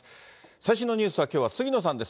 最新のニュースはきょうは杉野さんです。